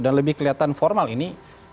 dan lebih kelihatan formal ini